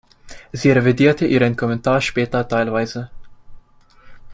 Sie revidierte ihren Kommentar später teilweise.